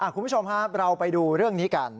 คุณผู้ชมครับเราไปดูเรื่องนี้กัน